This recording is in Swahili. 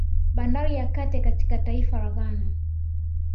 Bandari ya Kate katika taifa la Ghana